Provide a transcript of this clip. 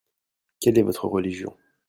Quelle est votre religion ?